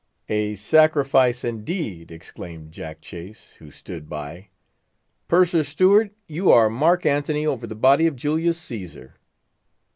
"A sacrifice, indeed!" exclaimed Jack Chase, who stood by; "Purser's Steward, you are Mark Antony over the body of Julius Cesar."